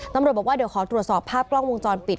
ตำรวจบอกว่าเดี๋ยวขอตรวจสอบภาพกล้องวงจรปิด